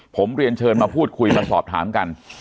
ผมเรียนเชิญมาพูดคุยมาสอบถามกัน